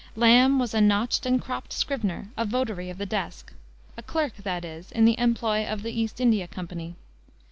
Lamb was "a notched and cropped scrivener, a votary of the desk," a clerk, that is, in the employ of the East India Company.